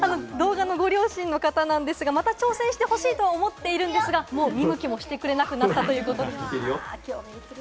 動画のご両親ですが、また挑戦してほしいと思ってるんですが、もう見向きもしてくれなくなったということです。